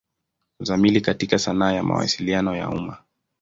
Uzamili katika sanaa ya Mawasiliano ya umma.